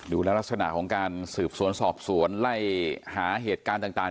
ลักษณะของการสืบสวนสอบสวนไล่หาเหตุการณ์ต่าง